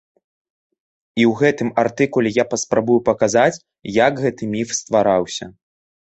І ў гэтым артыкуле я паспрабую паказаць, як гэты міф ствараўся.